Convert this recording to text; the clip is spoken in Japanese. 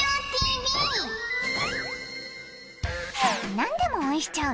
何でも応援しちゃう